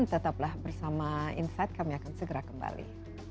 tetaplah bersama insight kami akan segera kembali